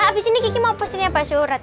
abis ini kiki mau posisi bakso urat